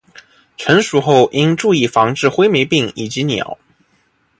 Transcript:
成熟后应注意防治灰霉病以及鸟。